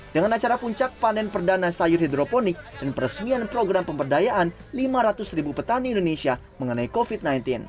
dengan acara puncak panen perdana sayur hidroponik dan peresmian program pemberdayaan lima ratus ribu petani indonesia mengenai covid sembilan belas